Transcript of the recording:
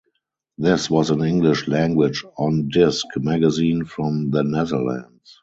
This was an English-language on-disk magazine from the Netherlands.